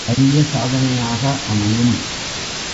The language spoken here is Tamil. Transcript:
அரிய சாதனையாக அமையும்.